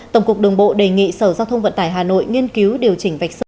tổng cục đồng bộ đề nghị sở giao thông vận tải hà nội nghiên cứu điều chỉnh vạch sơ